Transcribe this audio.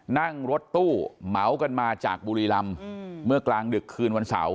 นั่งรถตู้เหมากันมาจากบุรีรำเมื่อกลางดึกคืนวันเสาร์